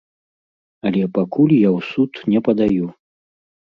Але пакуль я ў суд не падаю.